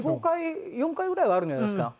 ４５回４回ぐらいはあるんじゃないですか。